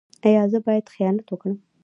ایا زه باید خیانت وکړم؟